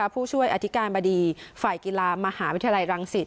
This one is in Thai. ผู้ช่วยอธิการบดีฝ่ายกีฬามหาวิทยาลัยรังสิต